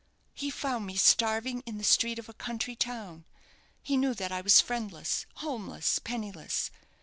"He found me starving in the street of a country town. He knew that I was friendless, homeless, penniless.